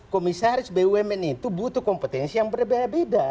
seribu dua ratus komisaris bumn itu butuh kompetensi yang berbeda beda